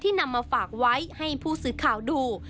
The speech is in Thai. นำมาฝากไว้ให้ผู้สื่อข่าวดู